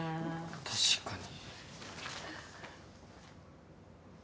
確かに。